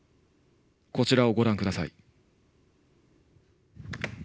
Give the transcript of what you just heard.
こちらをご覧下さい。